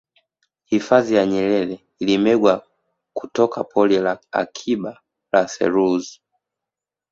hifadhi ya nyerere ilimegwa kutoka pori la akiba la selous